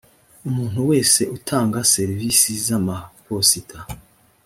umuntu wese utanga serivisi z amaposita